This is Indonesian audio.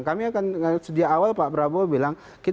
kami akan sejak awal pak prabowo bilang